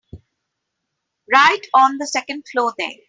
Right on the second floor there.